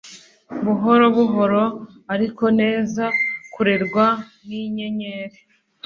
buhorobuhoro ariko neza kurerwa ninyenyeri